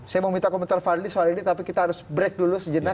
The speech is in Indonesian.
saya mau minta komentar fadli soal ini tapi kita harus break dulu sejenak